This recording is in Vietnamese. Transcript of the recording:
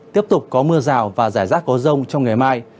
tiếp tục có mưa rào và rải rác có rông trong ngày mai